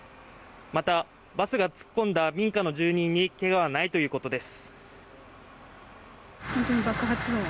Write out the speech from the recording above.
また、バスが突っ込んだ民家の住人にけがはないということです。